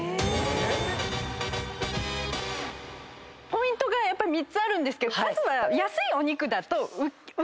ポイントが３つあるんですけどまずは。